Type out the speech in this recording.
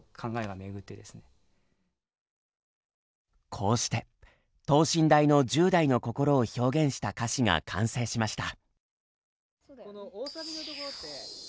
こうして等身大の１０代の心を表現した歌詞が完成しました。